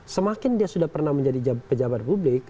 semakin dia sudah pernah menjadi pejabat publik